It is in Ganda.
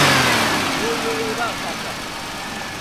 Eyo eba mpaga.